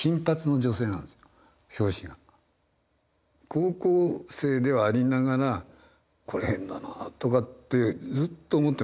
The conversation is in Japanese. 高校生ではありながら「これ変だな」とかってずっと思ってました。